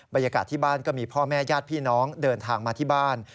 บรรยากาศที่บ้านก็มีพ่อแม่ญาติพี่น้องเดินทางมาที่บ้าน